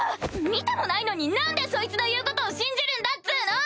見てもないのに何でそいつの言うことを信じるんだっつの！